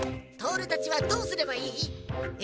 トオルたちはどうすればいい？